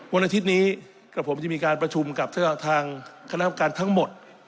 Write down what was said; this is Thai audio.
วันอาทิตย์นี้กับผมจะมีการประชุมกับทางคณะกรรมการทั้งหมด